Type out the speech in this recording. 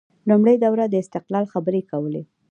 لومړۍ دوره د استقلال خبرې کولې